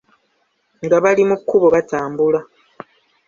Nga bali mu kkubo batambula.